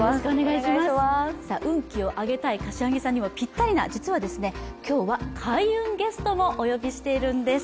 運気を上げたい柏木さんにもぴったりな、実は今日は開運ゲストをお呼びしているんです。